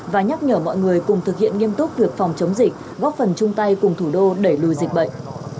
và nhắc nhở mọi người cùng thực hiện nghiêm túc việc phòng chống dịch góp phần chung tay cùng thủ đô đẩy lùi dịch bệnh